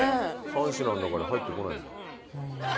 ３品の中に入ってこないんだ。